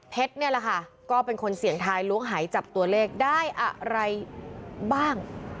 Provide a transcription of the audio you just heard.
นี่แหละค่ะก็เป็นคนเสี่ยงทายล้วงหายจับตัวเลขได้อะไรบ้าง